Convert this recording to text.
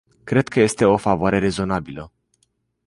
Cred că este un quid pro quo rezonabil.